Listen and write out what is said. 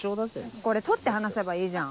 これ取って話せばいいじゃん。